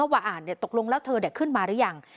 ว่าตกลงแล้วเธอได้ขึ้นมาหรือยัง